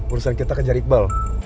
urusan kita kejar iqbal